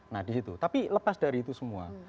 nah di situ tapi lepas dari itu semua